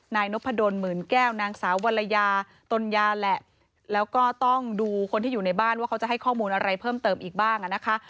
นายนพดลหมื่นแก้วนางสาววรรยาตนยาแหละแล้วก็ต้องดูคนที่อยู่ในบ้านว่าเขาจะให้ข้อมูลอะไรเพิ่มเติมอีกบ้างอ่ะนะคะ